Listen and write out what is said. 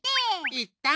いったん。